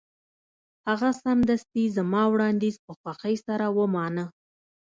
هغه سمدستي زما وړاندیز په خوښۍ سره ومانه